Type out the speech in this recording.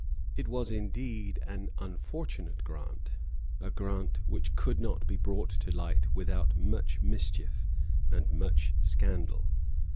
It was indeed an unfortunate grant, a grant which could not be brought to light without much mischief and much scandal.